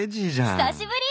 久しぶり。